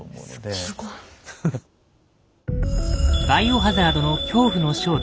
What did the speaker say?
すごい！「バイオハザード」の恐怖の正体。